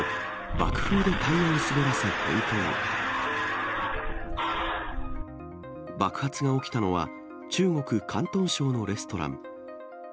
爆発が起きたのは、中国・広東省のレストラン。